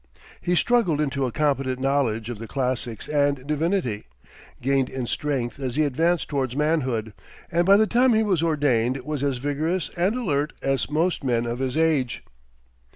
He struggled into a competent knowledge of the classics and divinity, gained in strength as he advanced towards manhood, and by the time he was ordained was as vigorous and alert as most men of his age.